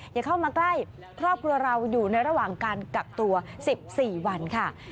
อย่าเข้ามาใกล้ครอบครัวเราอยู่ในระหว่างการกักตัว๑๔วันค่ะ